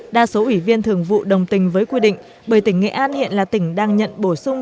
đa số ủy viên thường vụ đồng tình với quy định bởi tỉnh nghệ an hiện là tỉnh đang nhận bổ sung